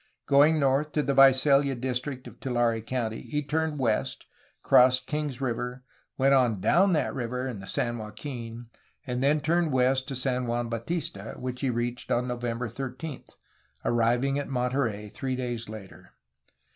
Going north to the Visalia district of Tulare County, he turned west, crossed Kings River, went on down that river and the San Joaquin, and then turned INLAND EXPLORATIONS AND INDIAN WARS 433 west to San Juan Bautista, which he reached on November 13, arriving at Monterey three days later.